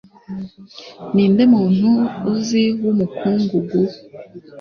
Ninde muntu uzi w’umukungugu?